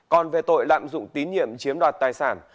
còn về tội lạm dụng tín nhiệm chiếm đoạt tài sản